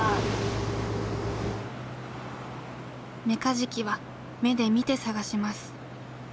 メカジキは目で見て探します。